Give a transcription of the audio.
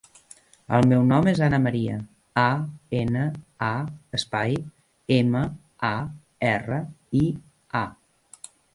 El meu nom és Ana maria: a, ena, a, espai, ema, a, erra, i, a.